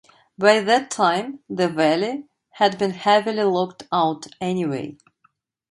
By that time, the valley had been heavily logged out anyway.